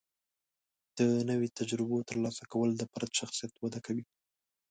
د نوي تجربو ترلاسه کول د فرد شخصیت وده کوي.